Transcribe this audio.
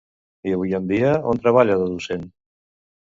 I avui en dia, on treballa de docent?